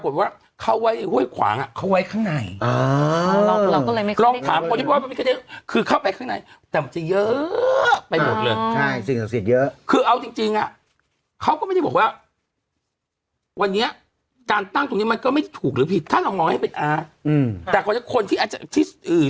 ถูกหรือผิดถ้าเราง้อยให้เป็นอาอืมแต่ก็จะคนที่อาทิตย์อือ